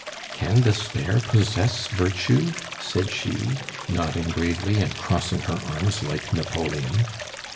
"Can despair possess virtue?" said she, nodding gravely and crossing her arms like Napoleon.